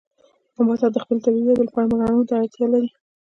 نباتات د خپلې طبیعي ودې لپاره منرالونو ته اړتیا لري.